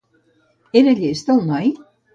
Era llest el noi?